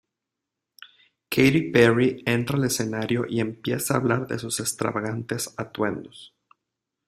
Katy Perry entra al escenario y empieza a hablar de sus extravagantes atuendos.